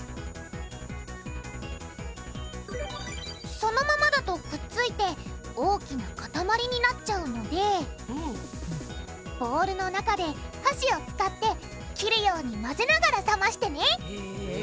そのままだとくっついて大きなかたまりになっちゃうのでボウルの中ではしを使って切るように混ぜながら冷ましてねへぇ。